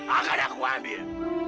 akan aku ambil